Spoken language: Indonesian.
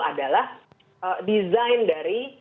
adalah desain dari